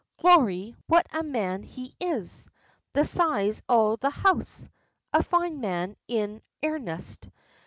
Glory! what a man he is! the size o' the house! A fine man, in airnest.